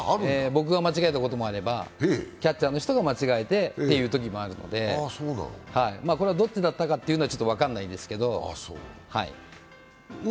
僕が間違えたこともありばキャッチャーの人が間違えてというときもあるので、これはどっちだったかというのはちょっと分かんないですけど。